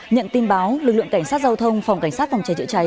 nhận tin báo lực lượng cảnh sát giao thông phòng cảnh sát phòng cháy chữa cháy